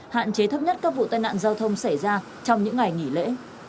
hạn chế thấp nhất các vụ tai nạn giao thông xảy ra trong những ngày nghỉ lễ